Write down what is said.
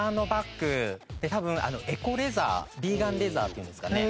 多分エコレザーヴィーガンレザーっていうんですかね。